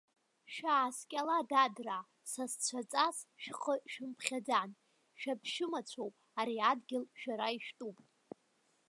Шәааскьала, дадраа, сасцәаҵас шәхы шәымԥхьаӡан, шәаԥшәымацәоуп, ари адгьыл шәара ишәтәуп!